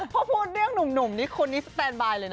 พอพูดเรื่องนุ่มคนนี่แตนไบล์เลยนะ